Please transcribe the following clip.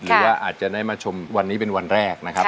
หรือว่าอาจจะได้มาชมวันนี้เป็นวันแรกนะครับ